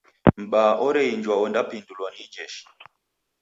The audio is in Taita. M'baa oreinjwa ondapindulwa ni ijeshi.